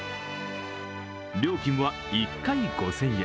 料金は１回５０００円。